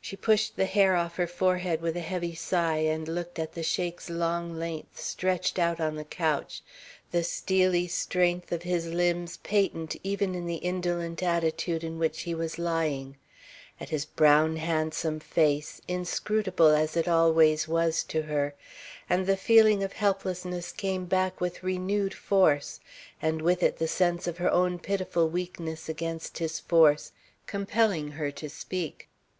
She pushed the hair off her forehead with a heavy sigh and looked at the Sheik's long length stretched out on the couch, the steely strength of his limbs patent even in the indolent attitude in which he was lying, at his brown handsome face, inscrutable as it always was to her, and the feeling of helplessness came back with renewed force and with it the sense of her own pitiful weakness against his force, compelling her to speak.